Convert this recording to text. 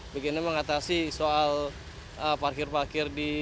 bagaimana mengatasi soal parkir parkir